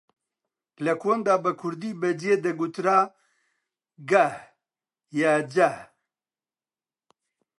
لە کۆندا بە کوردی بە جێ دەگوترا گەه یا جەه